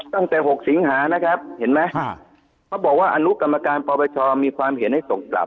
ตั้งแต่๖สิงหานะครับเห็นไหมเขาบอกว่าอนุกรรมการปปชมีความเห็นให้ส่งกลับ